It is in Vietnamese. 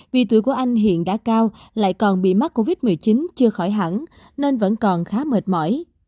vì tuổi của anh hiện đã cao lại còn bị mắc covid một mươi chín chưa khỏi hẳn nên vẫn còn khá mệt mỏi